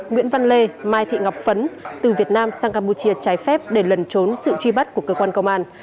nguyễn văn lê mai thị ngọc phấn từ việt nam sang campuchia trái phép để lần trốn sự truy bắt của cơ quan công an